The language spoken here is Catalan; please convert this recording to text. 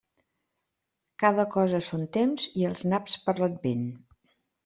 Cada cosa a son temps, i els naps per l'Advent.